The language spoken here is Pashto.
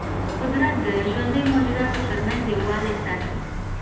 قدرت د ژوندیو موجوداتو ترمنځ یووالی ساتي.